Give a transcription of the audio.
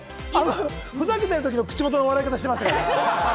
ふざけてる時の口元の笑い方をしてましたから。